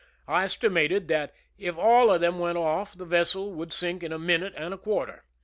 I esti mated that if all of them went off the vessel would sink in a minute and a quarter.